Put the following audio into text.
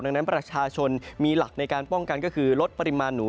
ดังนั้นประชาชนมีหลักในการป้องกันก็คือลดปริมาณหนู